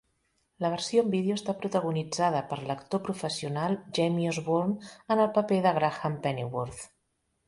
La versió en vídeo està protagonitzada per l'actor professional Jamie Osborn en el paper de Graham Pennyworth.